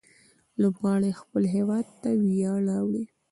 لوبغاړي خپل هيواد ته ویاړ راوړي.